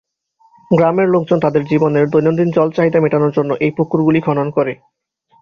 গ্রামের লোকজন তাদের জীবনের দৈনন্দিন জল চাহিদা মেটানোর জন্যে এই পুকুরগুলি খনন করে।